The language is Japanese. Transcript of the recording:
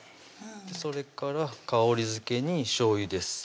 それから香りづけにしょうゆです